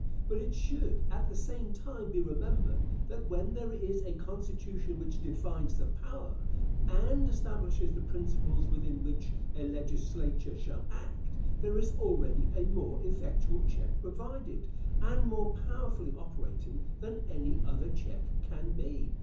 But it should at the same time be remembered, that when there is a constitution which defines the power, and establishes the principles within which a legislature shall act, there is already a more effectual check provided, and more powerfully operating, than any other check can be.